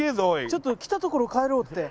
ちょっと来たところ帰ろうって。